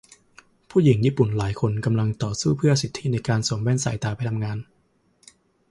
ผู้หญิงญี่ปุ่นหลายคนกำลังต่อสู้เพื่อสิทธิในการสวมแว่นสายตาไปทำงาน